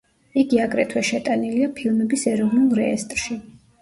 იგი აგრეთვე შეტანილია ფილმების ეროვნულ რეესტრში.